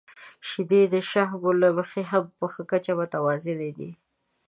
• شیدې د شحمو له مخې هم په ښه کچه متوازنه دي.